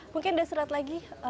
mungkin udah seret lagi